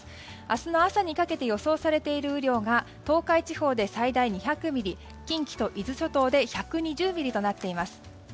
明日の朝にかけて予想されている雨量が東海地方で最大２００ミリ近畿と伊豆諸島で１２０ミリとなっています。